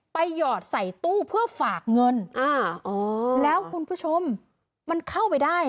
หยอดใส่ตู้เพื่อฝากเงินอ่าอ๋อแล้วคุณผู้ชมมันเข้าไปได้